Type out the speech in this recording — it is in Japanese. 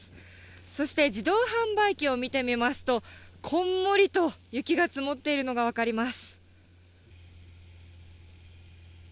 そして自動販売機を見てみますと、こんもりと雪が積もっているのが分かります。